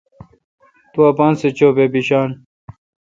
تو اپان سہ چو۔ بہ بیشان۔